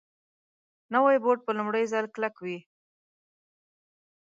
نوی بوټ په لومړي ځل کلک وي